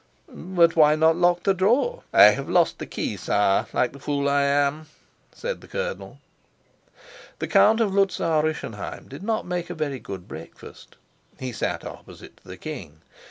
"But why not lock the drawer? "I have lost the key, sire, like the fool I am," said the colonel. The Count of Luzau Rischenheim did not make a very good breakfast. He sat opposite to the king.